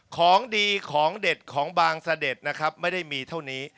ของดีของเด็ดของบางเสด็จนะครับไม่ได้มีเท่านี้